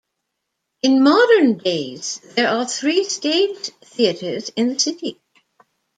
In modern days there are three stage theatres in the city.